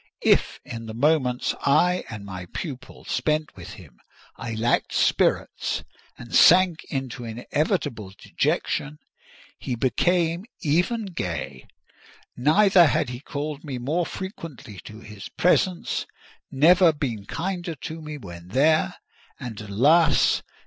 If, in the moments I and my pupil spent with him, I lacked spirits and sank into inevitable dejection, he became even gay. Never had he called me more frequently to his presence; never been kinder to me when there—and, alas!